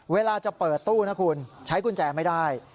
เวลาจะเปิดตู้นะคุณใช้กุญแจไม่ได้